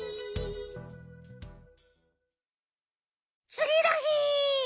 つぎのひ。